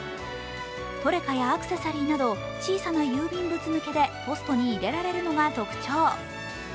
トレカやアクセサリーなど小さな郵便物向けでポストに入れられるのが特徴。